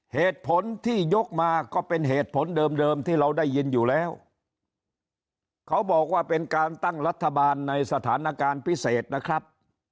เหตุผลที่ยกมาก็เป็นเหตุผลเดิมที่เราได้ยินอยู่แล้วเขาบอกว่าเป็นการตั้งรัฐบาลในสถานการณ์พิเศษนะครับ